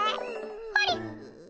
あれ？